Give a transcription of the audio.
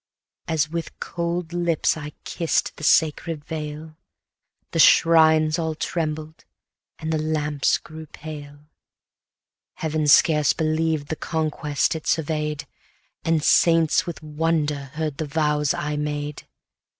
110 As with cold lips I kiss'd the sacred veil, The shrines all trembled, and the lamps grew pale: Heaven scarce believed the conquest it survey'd, And saints with wonder heard the vows I made.